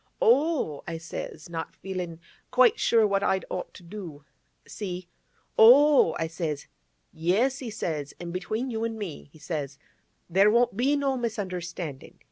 "Oh!" I says—not feelin' quite sure what I'd ought to do—see? "Oh!" I says. "Yes," he says; "an' between you an' me," he says, "there won't be no misunderstanding.